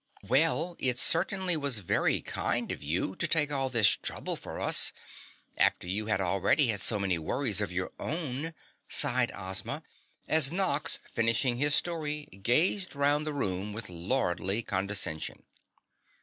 "Well, it certainly was very kind of you to take all this trouble for us after you had already had so many worries of your own," sighed Ozma, as Nox, finishing his story, gazed round the room with lordly condescension.